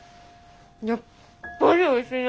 やっぱりおいしいね！